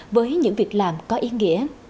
với những việc làm có ý nghĩa